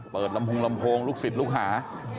ลำโพงลำโพงลูกศิษย์ลูกหา